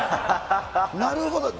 なるほど。